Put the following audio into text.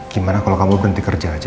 gimana kalau kamu berhenti kerja aja